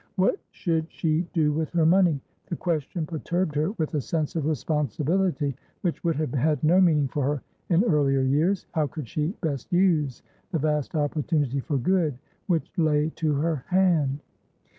What should she do with her money? The question perturbed her with a sense of responsibility which would have had no meaning for her in earlier years. How could she best use the vast opportunity for good which lay to her hand?